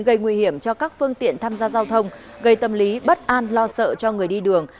gây nguy hiểm cho các phương tiện tham gia giao thông gây tâm lý bất an lo sợ cho người đi đường